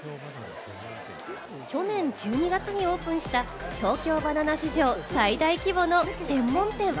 去年１２月にオープンした東京ばな奈史上最大規模の専門店。